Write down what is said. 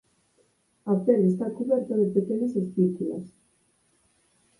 A pel está cuberta de pequenas espículas.